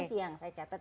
itu sih yang saya catat